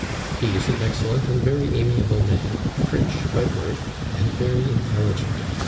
He is an excellent and very amiable man, French by birth, and very intelligent.